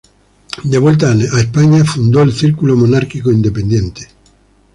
De vuelta en España, fundó el Círculo Monárquico Independiente.